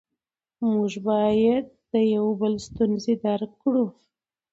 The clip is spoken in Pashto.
موږ باید د یو بل ستونزې درک کړو